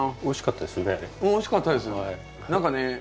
おいしかったですね。